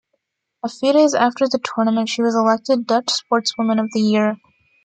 A few days after the tournament she was elected Dutch Sportswoman of the Year.